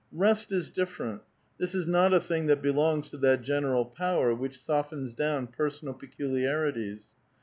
Rest is different. This is not a thing that belongs to that general power which softens down personal peculiarities.